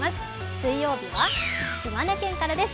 水曜日は島根県からです。